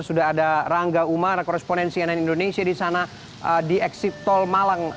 sudah ada rangga umara korespondensi nn indonesia di sana di eksit tol malang